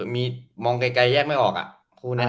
มีมองไกลแยกไม่ออกอ่ะคู่นั้น